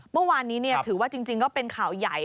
เมื่อวานนี้ถือว่าจริงก็เป็นข่าวใหญ่